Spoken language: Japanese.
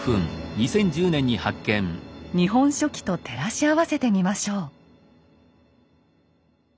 「日本書紀」と照らし合わせてみましょう。